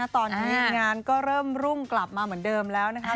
ตอนนี้งานก็เริ่มรุ่งกลับมาเหมือนเดิมแล้วนะคะ